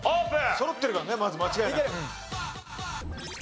そろってるからねまず間違いなく。